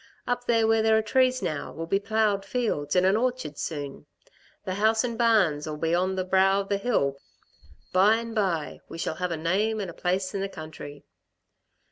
Up there where there are trees now will be ploughed fields and an orchard soon. The house and barns'll be on the brow of the hill. By and by ... we shall have a name and a place in the country."